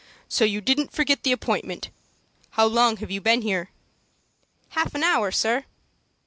"So you didn't forget the appointment. How long have you been here?" "Half an hour, sir."